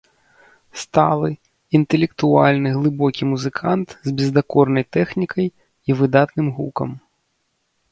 Сталы, інтэлектуальны, глыбокі музыкант з бездакорнай тэхнікай і выдатным гукам.